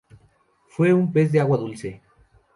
Fue un pez de agua dulce.